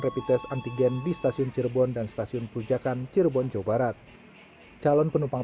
rapid test antigen di stasiun cirebon dan stasiun perujakan cirebon jawa barat calon penumpang